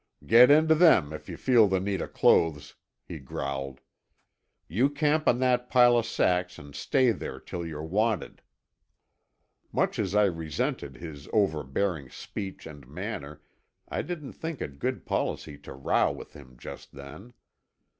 "Get into them, if you feel the need o' clothes," he growled. "You camp on that pile o' sacks an' stay there till you're wanted." Much as I resented his overbearing speech and manner I didn't think it good policy to row with him just then.